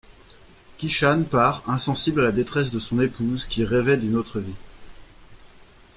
Kishan part, insensible à la détresse de son épouse qui rêvait d’une autre vie.